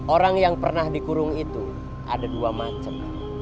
orang yang pernah dikurung itu ada dua macam